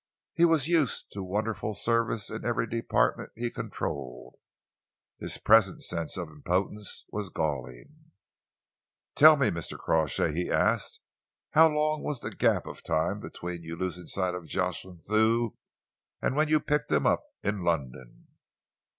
He was used to wonderful service in every department he controlled. His present sense of impotence was galling. "Tell me, Mr. Crawshay," he asked, "how long was the gap of time between your losing sight of Jocelyn Thew and when you picked him up in London?"